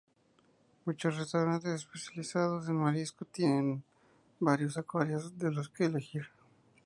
Muchos restaurantes especializados en marisco tienen varios acuarios de los que elegir.